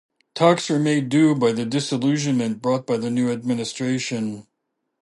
Talks were made due to the disillusionment brought by the new administration.